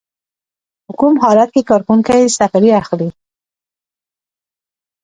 په کوم حالت کې کارکوونکی سفریه اخلي؟